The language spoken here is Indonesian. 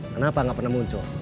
kenapa gak pernah muncul